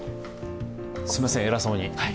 すみません、偉そうに。